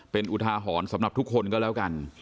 เป็นอุทาหรณ์สำหรับทุกคนก็แล้วกัน